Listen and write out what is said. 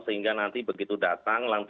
sehingga nanti begitu datang